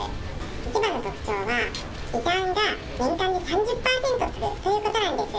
一番の特徴が、リターンが年間で３０％つくということなんです。